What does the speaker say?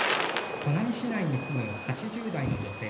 砺波市内に住む８０代の女性です。